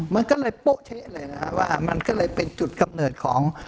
มันก็เลยโป๊ะเท๊ะเลยนะฮะว่ามันก็เลยเป็นจุดกำเนิดของ